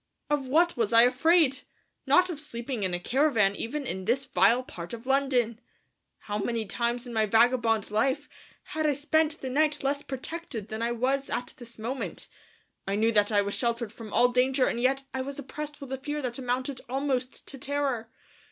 Of what was I afraid? Not of sleeping in a caravan even in this vile part of London! How many times in my vagabond life had I spent the night less protected than I was at this moment! I knew that I was sheltered from all danger and yet I was oppressed with a fear that amounted almost to terror.